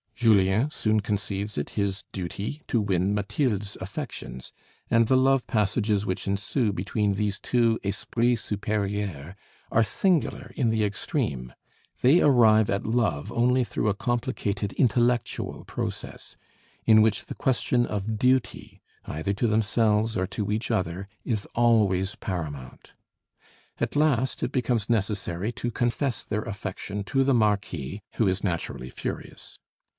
Julien soon conceives it his duty to win Mathilde's affections, and the love passages which ensue between these two "ésprits supérieurs" are singular in the extreme: they arrive at love only through a complicated intellectual process, in which the question of duty, either to themselves or to each other, is always paramount. At last it becomes necessary to confess their affection to the Marquis, who is naturally furious.